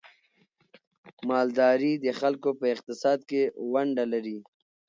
مالداري د خلکو په اقتصاد کې ونډه لري.